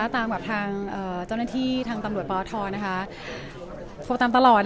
ตามกับทางเอ่อเจ้าหน้าที่ทางตำรวจปราวทรนะคะผมตามตลอดนะ